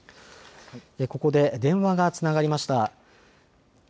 ここで電話がつながりました。